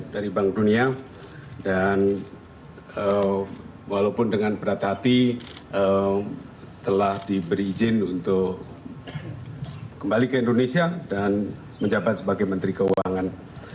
dari bank dunia dan walaupun dengan berat hati telah diberi izin untuk kembali ke indonesia dan menjabat sebagai menteri keuangan